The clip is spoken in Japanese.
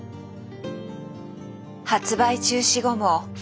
発売中止後も日本